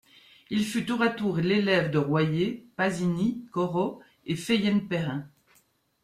Il fut tour à tour l'élève de Royer, Pasini, Corot et Feyen-Perrin.